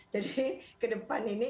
jadi ke depan ini